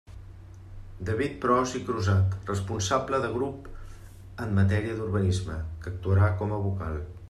David Pros i Crusat, responsable de grup en matèria d'urbanisme, que actuarà com a vocal.